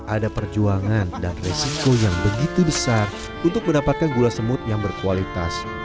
ada perjuangan dan resiko yang begitu besar untuk mendapatkan gula semut yang berkualitas